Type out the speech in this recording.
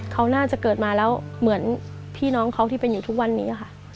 เขาน่าจะเกิดมาแล้วเหมือนพี่น้องเขาที่เป็นอยู่ทุกวันนี้ค่ะ